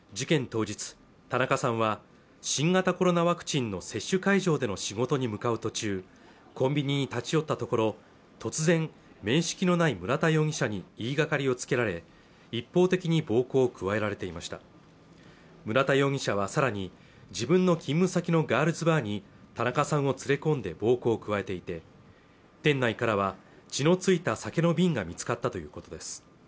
当日田中さんは新型コロナワクチンの接種会場での仕事に向かう途中コンビニに立ち寄ったところ突然面識のない村田容疑者に言いがかりをつけられ一方的に暴行を加えられていました村田容疑者はさらに自分の勤務先のガールズバーに田中さんを連れ込んで暴行を加えていて店内からは血のついた酒の瓶が見つかったということです